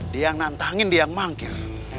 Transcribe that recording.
dia yang nantangin dia mangkir